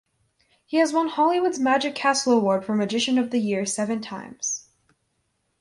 He has won Hollywood's Magic Castle award for Magician of the Year seven times.